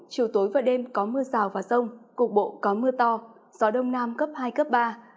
chiều tối và đêm có mưa rào và rông cục bộ có mưa to gió đông nam cấp hai cấp ba